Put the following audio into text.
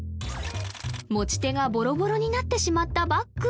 持ち手がボロボロになってしまったバッグ